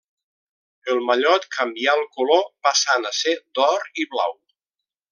El mallot canvià el color passant a ser d'or i blau.